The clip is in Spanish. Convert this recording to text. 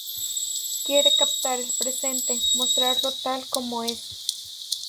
Quiere captar el presente, mostrarlo tal como es.